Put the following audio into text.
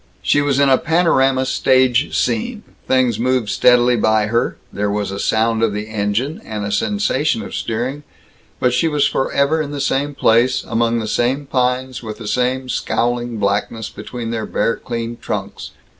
She was in a panorama stage scene; things moved steadily by her, there was a sound of the engine, and a sensation of steering, but she was forever in the same place, among the same pines, with the same scowling blackness between their bare clean trunks.